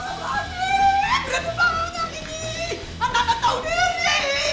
anak anak tahu diri